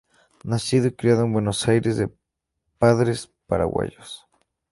Nacido y criado en Buenos Aires, de padres paraguayos.